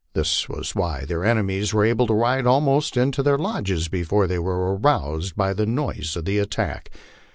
This was why their enemies were able to ride almost into their lodges be fore they were aroused by the noise of the attack.